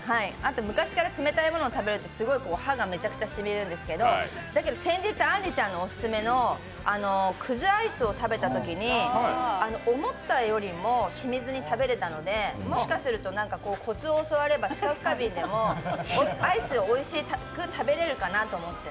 昔から冷たいものを食べると歯がめちゃくちゃしみるんですけど、先日、あんりちゃんのオススメの葛アイスを食べたときに思ったよりも、しみずに食べれたので、もしかしたら、コツを教われば知覚過敏でもアイスをおいしく食べれるかなって。